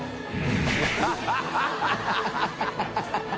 ハハハ